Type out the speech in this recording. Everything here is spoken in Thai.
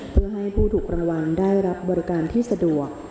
เพื่อให้ผู้ถูกรางวัลได้รับบริการที่สะดวก